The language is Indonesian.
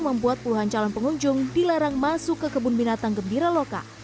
membuat puluhan calon pengunjung dilarang masuk ke kebun binatang gembira loka